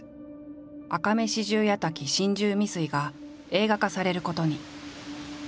「赤目四十八瀧心中未遂」が映画化されることに。